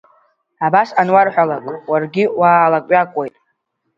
Абас ануарҳәалак, уаргьы уаалакҩакуеит.